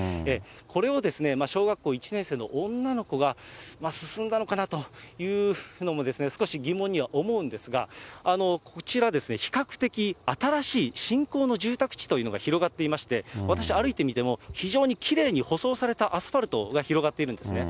これを小学校１年生の女の子が進んだのかなというのも、少し疑問には思うんですが、こちら、比較的新しい新興の住宅地というのが広がっていまして、私、歩いてみても非常にきれいに舗装されたアスファルトが広がっているんですね。